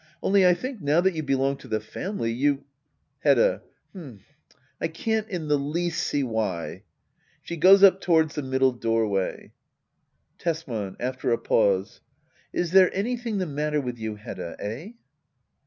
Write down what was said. Only I think now that you belong to the &mily^ you Hedda. H'm — I can't in the least see why [She goes up towards the middle doorway, Tesman. [After a pause."] Is tnere anything the matter with you^ Hedda ? Eh